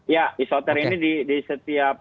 ya isoter ini di setiap